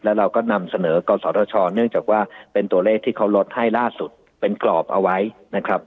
แล้วเราก็นำเสนอกศธชเนื่องจากว่าเป็นตัวเลขที่เขาลดให้ล่าสุดเป็นกรอบเอาไว้นะครับ